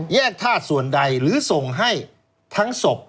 ธาตุส่วนใดหรือส่งให้ทั้งศพ